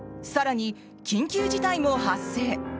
更に、緊急事態も発生。